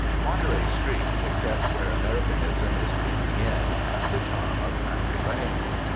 Monterey's streets, except where Americanism is creeping in, have the charm of country lanes.